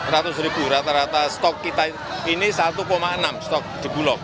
seratus ribu rata rata stok kita ini satu enam stok di bulog